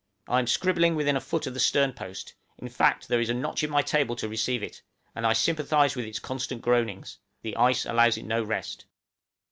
I am scribbling within a foot of the sternpost in fact, there is a notch in my table to receive it; and I sympathize with its constant groanings; the ice allows it no rest.